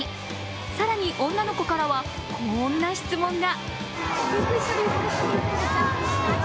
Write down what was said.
更に、女の子からはこんな質問が。